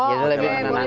jadi lebih menenangkan